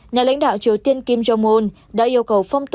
nhà lãnh đạo triều tiên kim jong un đã yêu cầu phong tỏa